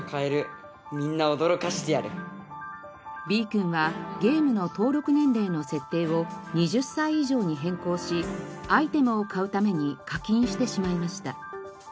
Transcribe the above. Ｂ君はゲームの登録年齢の設定を２０歳以上に変更しアイテムを買うために課金してしまいました。